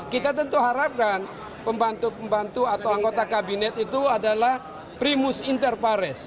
kita tentu harapkan pembantu pembantu atau anggota kabinet itu adalah primus interpares